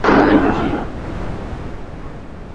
mashabiki wengi hapa katika ukanda